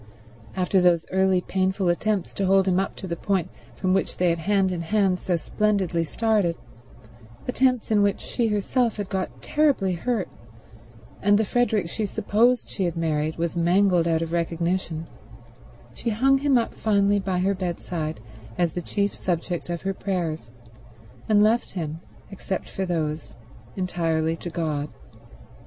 After those early painful attempts to hold him up to the point from which they had hand in hand so splendidly started, attempts in which she herself had got terribly hurt and the Frederick she supposed she had married was mangled out of recognition, she hung him up finally by her bedside as the chief subject of her prayers, and left him, except for those, entirely to God.